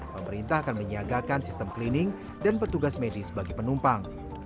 pemerintah akan menyiagakan sistem cleaning dan petugas medis bagi penumpang